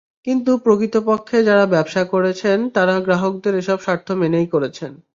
কিন্তু প্রকৃতপক্ষে যারা ব্যবসা করছেন তাঁরা গ্রাহকদের এসব স্বার্থ মেনেই করছেন।